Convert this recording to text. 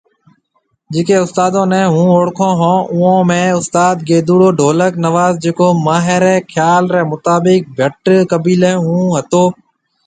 جڪي استادون ني هون اوڙکون ھوناوئون ۾ استاد گيدُوڙو ڍولڪ نواز جڪو ماهري خيال ري مطابق ڀٽ قبيلي ھونهتو